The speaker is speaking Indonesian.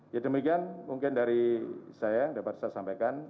ya demikian mungkin dari saya dapat saya sampaikan